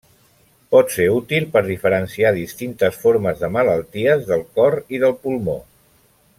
Pot ser útil per diferenciar distintes formes de malalties del cor i del pulmó.